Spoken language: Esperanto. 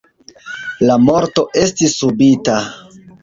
La morto estis subita.